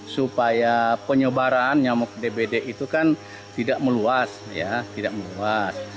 supaya penyebaran nyamuk dbd itu kan tidak meluas